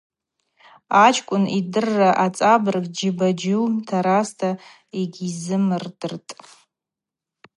Ачкӏвын йдырра ацӏабырг Джьыба-Джьу таразта йгьизымдыртӏ.